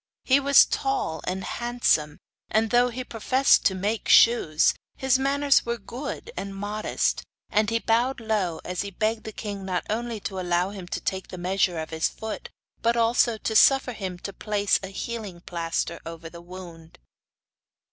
He was tall and handsome and, though he professed to make shoes, his manners were good and modest, and he bowed low as he begged the king not only to allow him to take the measure of his foot, but also to suffer him to place a healing plaster over the wound.